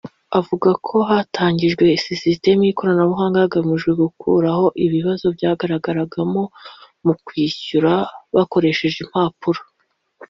avuga ko batangije sisiteme y’ikoranabuhanga hagamijwe gukuraho ibibazo byagaragaragamo mu kwishyuza bakoresheje impapuro